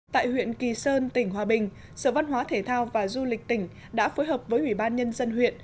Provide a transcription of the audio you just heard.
tại huyện kỳ sơn tỉnh hòa bình sở văn hóa thể thao và du lịch tỉnh đã phối hợp với ủy ban nhân dân huyện